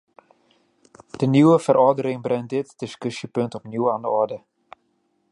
De nieuwe verordening brengt dit discussiepunt opnieuw aan de orde.